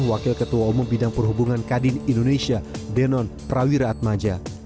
wakil ketua umum bidang perhubungan kadin indonesia denon prawiraatmaja